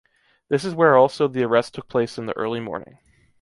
This is where also the arrest took place in the early morning.